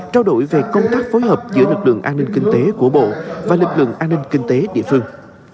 trao đổi về công tác phối hợp giữa lực lượng an ninh kinh tế của bộ và lực lượng an ninh kinh tế địa phương